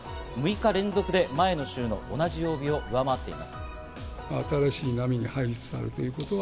６日連続で前の週の同じ曜日を上回っています。